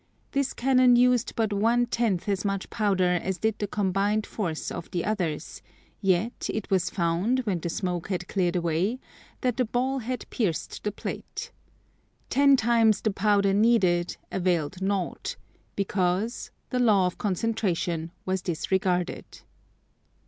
This cannon used but one tenth as much powder as did the combined force of the others, yet, it was found, when the smoke had cleared away, that the ball had pierced the plate. Ten times the powder needed availed naught, because, the law of concentration was disregarded.